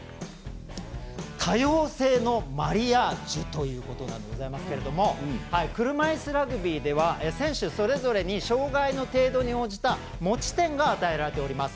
多様性のマリアージュということなんでございますけれども車いすラグビーでは選手それぞれに障がいの程度に応じた持ち点が与えられております。